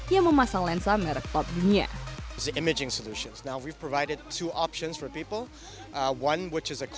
yang memasang lensa merek top dunia